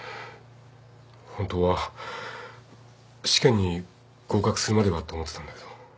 本当は試験に合格するまではと思ってたんだけど。